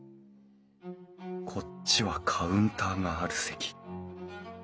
こっちはカウンターがある席。